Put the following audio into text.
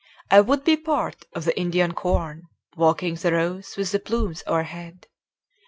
I would be part of the Indian corn, Walking the rows with the plumes o'erhead.